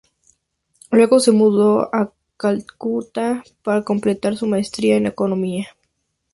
Luego, se mudó a Calcuta para completar su maestría en economía.